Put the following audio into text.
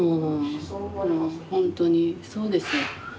本当にそうですよ。